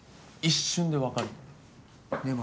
一瞬で分かるの。